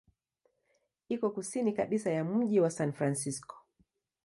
Iko kusini kabisa ya mji wa San Francisco.